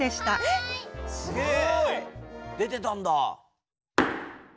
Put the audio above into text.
すげえ！出てたんだ。